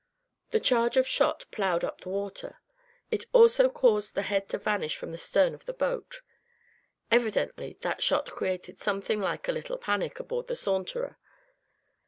The charge of shot ploughed up the water. It also caused the head to vanish from the stern of the boat. Evidently that shot created something like a little panic aboard the Saunterer.